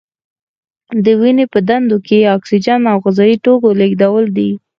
د وینې په دندو کې د اکسیجن او غذايي توکو لیږدول دي.